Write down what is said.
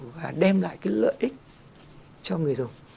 và đem lại cái lợi ích cho người dùng